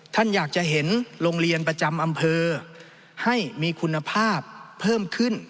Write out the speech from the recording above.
ท่านอยากจะเห็นโรงเรียนประจำอำเภอให้มีคุณภาพเพิ่มขึ้น